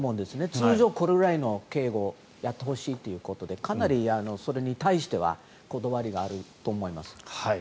通常、これぐらいの警護をやってほしいということでかなりそれに対してはこだわりがあると思います。